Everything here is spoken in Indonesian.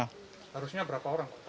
harusnya berapa orang